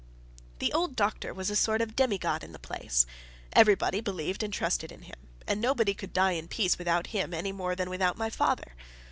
The old doctor was a sort of demigod in the place. Everybody believed and trusted in him; and nobody could die in peace without him any more than without my father.